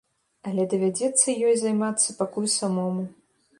Але давядзецца ёй займацца пакуль самому.